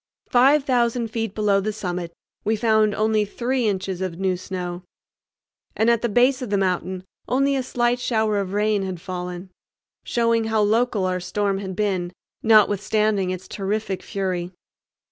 Five thousand feet below the summit we found only three inches of new snow, and at the base of the mountain only a slight shower of rain had fallen, showing how local our storm had been, notwithstanding its terrific fury.